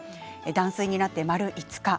断水になって丸５日。